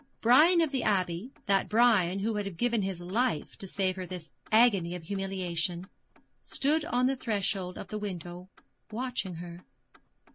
Brian of the Abbey, that Brian who would have given his life to save her this agony of humiliation, stood on the threshold of the window watching her.